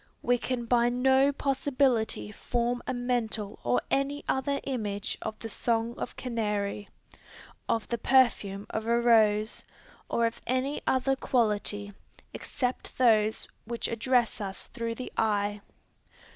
We can by no possibility form a mental or any other image of the song of canary, of the perfume of a rose, or of any other quality, except those which address us through the eye.